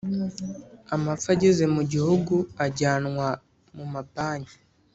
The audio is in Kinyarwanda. Amapfa ageze mu gihugu ajyanwa muma banki